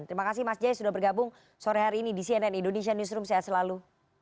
terima kasih mas jaya sudah bergabung sore hari ini di cnn indonesia newsroom sehat selalu